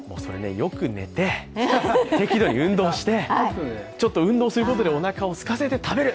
よく寝て、適度に運動してちょっと運動することでおなかをすかせて食べる！